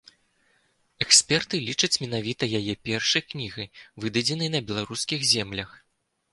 Эксперты лічаць менавіта яе першай кнігай, выдадзенай на беларускіх землях.